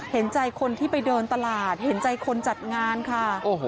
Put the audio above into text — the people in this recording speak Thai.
เห็นใจคนที่ไปเดินตลาดเห็นใจคนจัดงานค่ะ